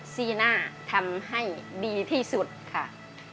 สีหน้าร้องได้หรือว่าร้องผิดครับ